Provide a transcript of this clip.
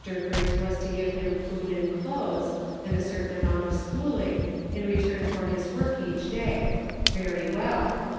Griggs was to give him food and clothes, and a certain amount of schooling, in return for his work each day. Very well.